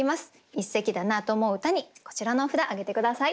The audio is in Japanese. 一席だなと思う歌にこちらの札挙げて下さい。